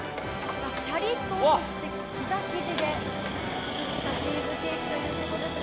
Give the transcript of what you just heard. シャリとピザ生地で作ったチーズケーキということですが。